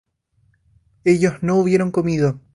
ellos no hubieron comido